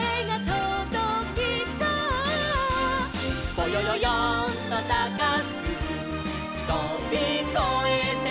「ぼよよよんとたかくとびこえてゆこう」